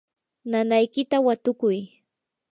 nanaykita watukuy.